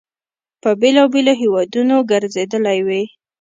په بېلابېلو هیوادونو ګرځېدلی وي.